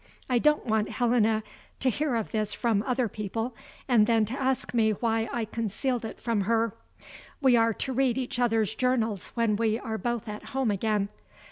I don't want Helena to hear of this from other people, and then to ask me why I concealed it from her. We are to read each other's journals when we are both at home again.